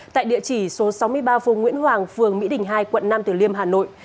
tại địa chỉ số sáu mươi ba phố nguyễn hoàng phường mỹ đình hai quận năm tử liêm hà nội